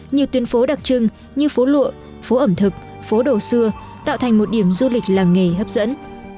nhiều tuyến phố đặc trưng như phố lụa phố ẩm thực phố đồ xưa tạo thành một điểm du lịch làng nghề hấp dẫn